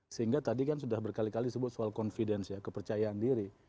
sehingga tadi kan sudah berkali kali disebut soal confidence ya kepercayaan diri